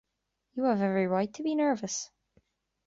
You have every right to be nervous.